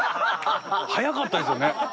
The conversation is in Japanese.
早かったですよね。